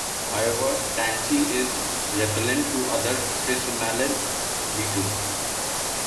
However, tansy is a repellent to other Chrysomelid beetles.